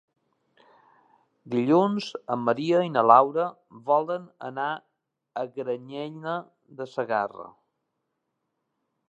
Dilluns en Maria i na Laura volen anar a Granyena de Segarra.